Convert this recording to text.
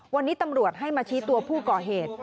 วันนี้ตำรวจให้มาชี้ตัวผู้ก่อเหตุ